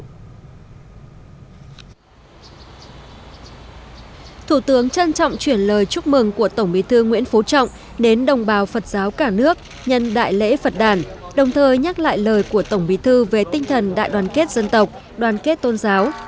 thủ tướng trân trọng chuyển lời chúc mừng của tổng bí thư nguyễn phú trọng đến đồng bào phật giáo cả nước nhân đại lễ phật đàn đồng thời nhắc lại lời của tổng bí thư về tinh thần đại đoàn kết dân tộc đoàn kết tôn giáo